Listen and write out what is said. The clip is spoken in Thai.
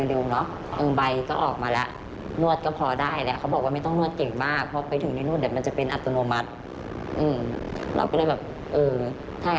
เลยนัดวางเงินการที่๑๐เมษา